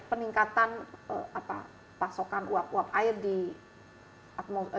peningkatan pasokan uap uap air di atmos